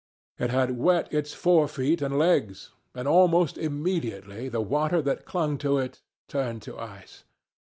It had wet its forefeet and legs, and almost immediately the water that clung to it turned to ice.